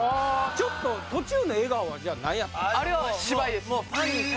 ちょっと途中の笑顔はじゃあ何やったんですか？